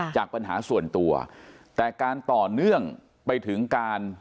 จากปัญหาส่วนตัวแต่การต่อเนื่องไปถึงการ